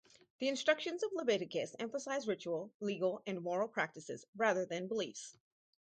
The instructions of Leviticus emphasize ritual, legal and moral practices rather than beliefs.